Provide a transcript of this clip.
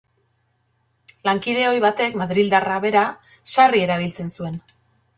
Lankide ohi batek, madrildarra bera, sarri erabiltzen zuen.